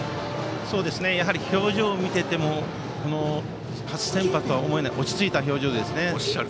表情を見ていても初先発とは思えない落ち着いた表情です。